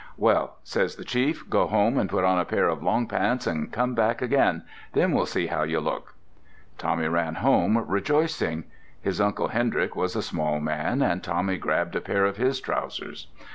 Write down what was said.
"Well," says the chief, "go home and put on a pair of long pants and come back again. Then we'll see how you look!" Tommy ran home rejoicing. His Uncle Hendrick was a small man, and Tommy grabbed a pair of his trousers.